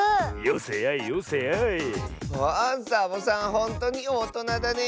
ほんとにおとなだねえ。